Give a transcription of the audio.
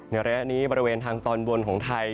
ระยะนี้บริเวณทางตอนบนของไทย